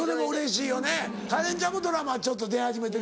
カレンちゃんもドラマちょっと出始めてるもんな。